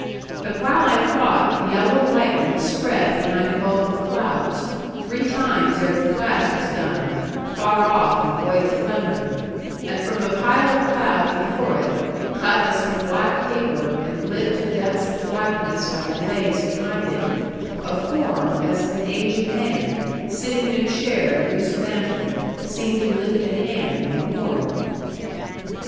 But while I thought, the yellow lightning spread behind a bulk of clouds, three times ere the flash was done, far off and void of thunder; and from the pile of cloud before it, cut as from black paper, and lit to depths of blackness by the blaze behind it, a form as of an aged man, sitting in a chair loose mantled, seemed to lift a hand and warn.